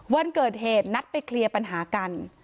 วันเกิดเหตุนัดไปเคลียร์ปัญหากัน